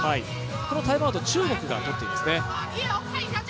このタイムアウト、中国が取ってるんですね。